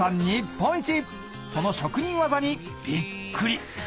日本一その職人技にびっくり